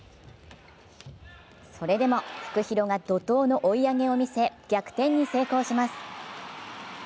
それでもフクヒロが怒とうの追い上げを見せ逆転に成功します。